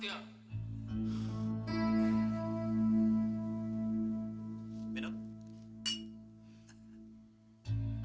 oh ini gak berusaha pak saya minum aja